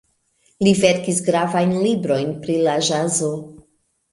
Li verkis gravajn librojn pri la ĵazo.